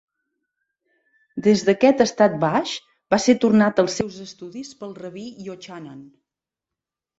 Des d'aquest estat baix, va ser tornat als seus estudis pel Rabí Yochanan.